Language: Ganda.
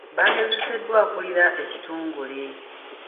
Baagezeseddwa akulira ekitongole.